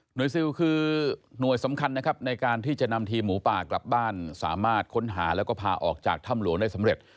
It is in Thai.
ซิลคือหน่วยสำคัญนะครับในการที่จะนำทีมหมูป่ากลับบ้านสามารถค้นหาแล้วก็พาออกจากถ้ำหลวงได้สำเร็จ